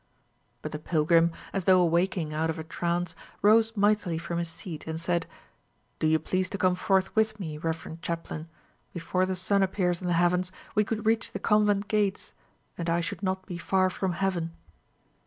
But the pilgrim, as though awaking out of a trance, rose mightily from his seat, and said: "Do you please to come forth with me, reverend chaplain? Before the sun appears in the heavens, we could reach the convent gates, and I should not be far from heaven."